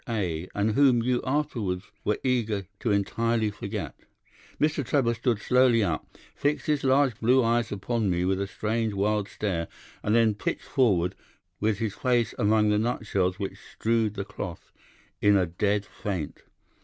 A., and whom you afterwards were eager to entirely forget.' "Mr. Trevor stood slowly up, fixed his large blue eyes upon me with a strange wild stare, and then pitched forward, with his face among the nutshells which strewed the cloth, in a dead faint.